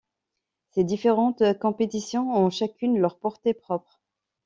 Ces différentes compétitions ont chacune leur portée propre.